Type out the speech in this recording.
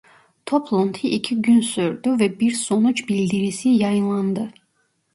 Toplantı iki gün sürdü ve bir sonuç bildirisi yayınlandı.